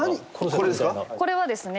これはですね